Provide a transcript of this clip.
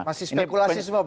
masih spekulasi semua pak